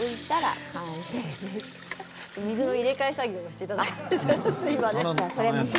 水の入れ替え作業をしていただいてます。